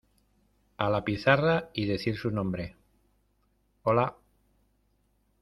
a la pizarra y decir su nombre. hola .